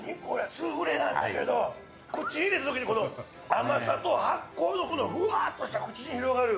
スフレなんだけど、口入れた時にこの甘さと発酵のふわっとした口に広がる。